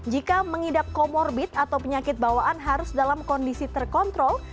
jika mengidap comorbid atau penyakit bawaan harus dalam kondisi terkontrol